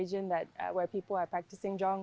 di kawasan di mana orang orang berlatih jong